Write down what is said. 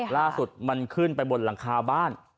ล่าสุดมันขึ้นไปบนหลังคาบ้าน